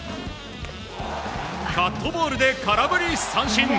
カットボールで空振り三振！